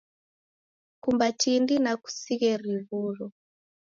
kumba tindi na kusighe riw'uro.